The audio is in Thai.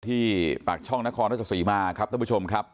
ที่ปากช่องนครราชสีมาครับท่านผู้ชมครับ